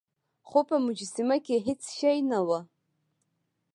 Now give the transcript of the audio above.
خو په مجسمه کې هیڅ شی نه و.